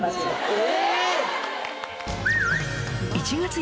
え⁉